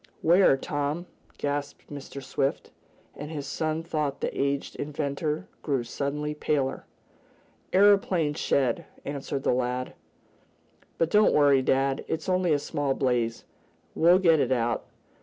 "Where, Tom?" gasped Mr. Swift, and his son thought the aged inventor grew suddenly paler. "Aeroplane shed," answered the lad. "But don't worry dad. It's only a small blaze. We'll get it out.